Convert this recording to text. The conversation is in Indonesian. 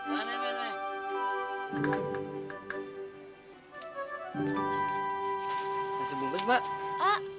nasi bungkus mbak